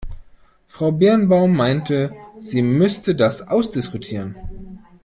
Frau Birnbaum meinte, sie müsste das ausdiskutieren.